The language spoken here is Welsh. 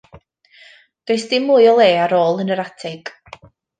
Does dim mwy o le ar ôl yn yr atig.